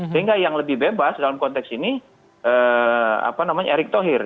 sehingga yang lebih bebas dalam konteks ini apa namanya erik thohir